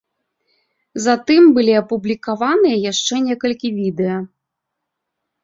Затым былі апублікаваныя яшчэ некалькі відэа.